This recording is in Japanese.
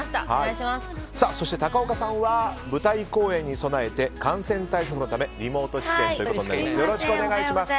そして、高岡さんは舞台公演に備えて感染対策のためリモート出演となります。